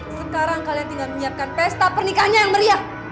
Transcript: sekarang kalian tinggal menyiapkan pesta pernikahannya yang meriah